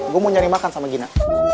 gue mau nyari makan sama gina